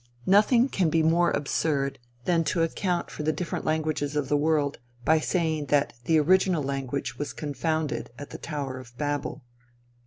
Nothing can be more absurd than to account for the different languages of the world by saying that the original language was confounded at the tower of Babel.